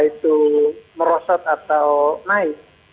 itu merosot atau naik